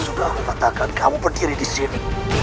sudah aku katakan kamu berdiri disini